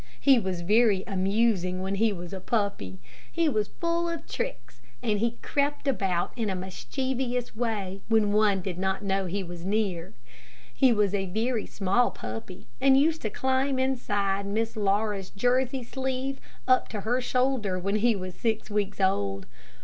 He was very amusing when he was a puppy. He was full of tricks, and he crept about in a mischievous way when one did not know he was near. He was a very small puppy and used to climb inside Miss Laura's Jersey sleeve up to her shoulder when he was six weeks old.